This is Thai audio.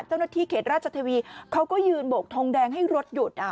เจ้าหน้าที่เขตราชเทวีเขาก็ยืนโบกทงแดงให้รถหยุด